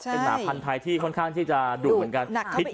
เป็นหมาพันธ์ไทยที่ค่อนข้างที่จะดุเหมือนกัน